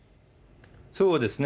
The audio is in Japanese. そうですね。